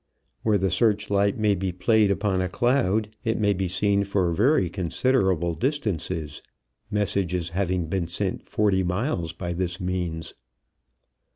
Where the search light may be played upon a cloud it may be seen for very considerable distances, messages having been sent forty miles by this means.